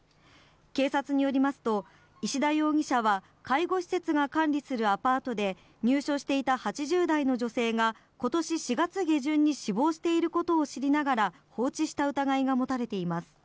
警察によりますと、石田容疑者は、介護施設が管理するアパートで、入所していた８０代の女性がことし４月下旬に死亡していることを知りながら、放置した疑いが持たれています。